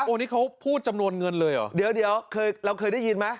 อันนี้เขาพูดจำนวนเงินเลยเหรอเดี๋ยวเคยเราเคยได้ยินไหม